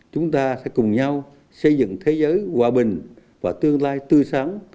chúng ta sẽ cùng nhau xây dựng thế giới hòa bình và tương lai tươi sáng